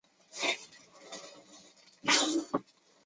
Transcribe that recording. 殿试登进士第三甲第一名。